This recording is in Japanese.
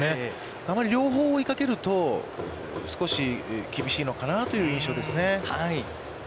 あまり両方を追いかけると、少し厳しいのかなという印象ですね。